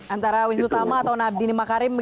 antara wisnu tama atau nabdini makarim gitu ya